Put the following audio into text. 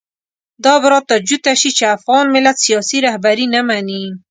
دا به راته جوته شي چې افغان ملت سیاسي رهبري نه مني.